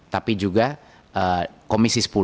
tapi juga komisi sepuluh